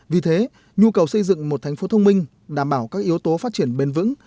vì thế nhu cầu xây dựng một thành phố thông minh đảm bảo các yếu tố phát triển bền vững